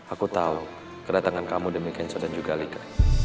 aku tau kedatangan kamu demi kenzo dan juga alika